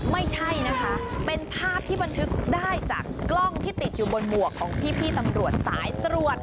ไม่ใช่นะคะเป็นภาพที่บันทึกได้จากกล้องที่ติดอยู่บนหมวกของพี่ตำรวจสายตรวจ